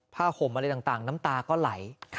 ห่มอะไรต่างน้ำตาก็ไหล